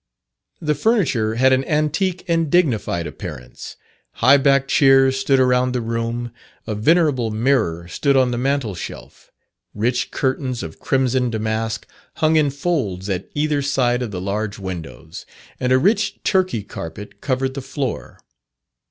The furniture had an antique and dignified appearance. High backed chairs stood around the room; a venerable mirror stood on the mantle shelf; rich curtains of crimson damask hung in folds at either side of the large windows; and a rich Turkey carpet covered the floor.